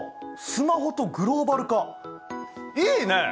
「スマホとグローバル化」いいね！